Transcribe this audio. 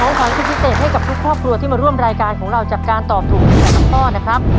เรามีของของที่พิเศษให้กับทุกครอบครัวที่มาร่วมรายการของเราจากการตอบถูก๑ข้อนะครับ